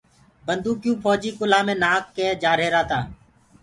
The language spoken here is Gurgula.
بنٚدوڪيٚئونٚ ڦوجيٚ ڪُلهآ مينٚ نآک ڪي جآريهرآ تآ